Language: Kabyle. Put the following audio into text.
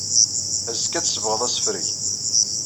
Azekka ad tsebɣeḍ asefreg.